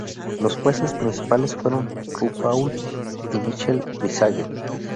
Los jueces principales fueron RuPaul y Michelle Visage.